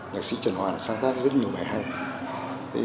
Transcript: nhà sĩ trần hoàn sáng tác rất nhiều bài hay